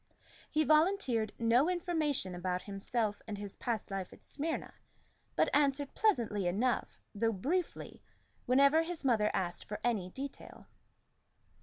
He volunteered no information about himself and his past life at Smyrna, but answered pleasantly enough, though briefly, whenever his mother asked for any detail.